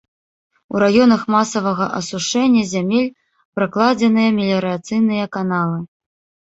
У раёнах масавага асушэння зямель пракладзеныя меліярацыйныя каналы.